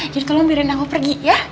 jadi tolong mirin aku pergi ya